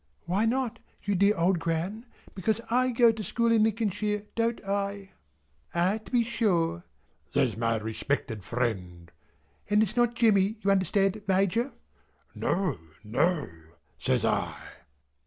"Why not, you dear old Gran? Because I go to school in Lincolnshire, don't I?" "Ah, to be sure!" says my respected friend. "And it's not Jemmy, you understand, Major?" "No, no," says I.